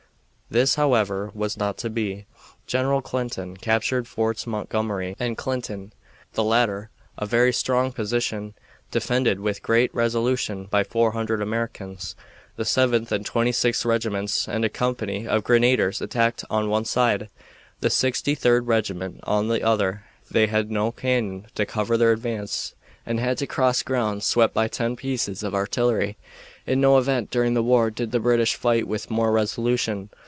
This, however, was not to be. General Clinton captured Forts Montgomery and Clinton, the latter a very strong position, defended with great resolution by four hundred Americans. The Seventh and Twenty sixth regiments and a company of grenadiers attacked on one side, the Sixty third Regiment on the other. They had no cannon to cover their advance and had to cross ground swept by ten pieces of artillery. In no event during the war did the British fight with more resolution.